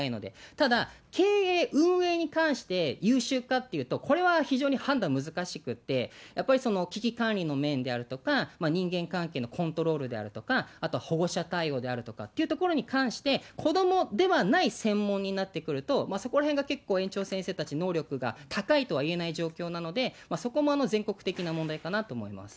ただ、経営、運営に関して優秀かっていうと、これは非常に判断難しくて、やっぱり危機管理の面であるとか、人間関係のコントロールであるとか、あとは保護者対応であるとかっていうことに関して、子どもではない専門になってくると、そこらへんが結構、園長先生たち、能力が高いとは言えない状況なので、そこも全国的な問題かなと思います。